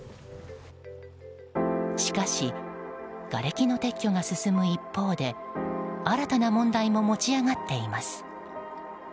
しかしがれきの撤去が進む一方で新たな問題も持ち上がっています。